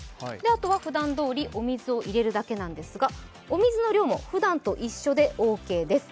あとはふだんどおりお水を入れるだけなんですが、お水の量もふだんと一緒でオーケーです。